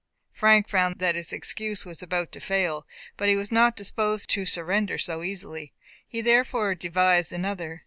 Frank found that his excuse was about to fail. But he was not disposed to surrender so easily. He therefore devised another.